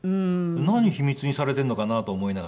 何秘密にされているのかな？と思いながら。